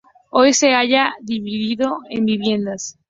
Hoy se halla dividido en viviendas.